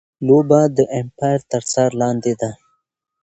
لوبه د ایمپایر تر څار لاندي ده.